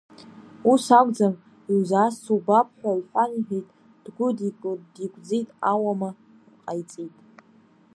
Ус акәӡам, иузаасцо убап, ҳәа лҳәан иҳәеит, дгәыдикылт, дигәӡит, ауама ҟаиҵит.